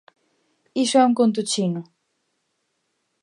Iso é un conto chino.